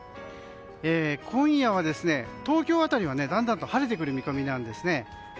今夜は東京辺りはだんだんと晴れてくる見込みなんですね。